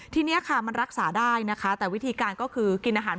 ทีนี้ค่ะมันรักษาได้นะคะแต่วิธีการก็คือกินอาหาร